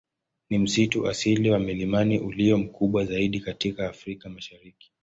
Ni msitu asili wa milimani ulio mkubwa zaidi katika Afrika Mashariki.